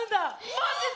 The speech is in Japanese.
マジで！？